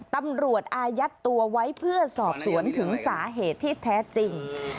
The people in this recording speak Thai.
อายัดตัวไว้เพื่อสอบสวนถึงสาเหตุที่แท้จริง